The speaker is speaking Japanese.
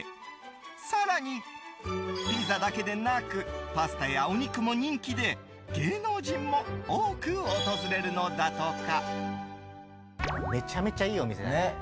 更に、ピザだけでなくパスタやお肉も人気で芸能人も多く訪れるのだとか。